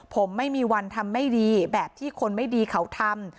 ผมไม่มีวันทำไม่ดีแบบที่คนไม่ดีเขาทำ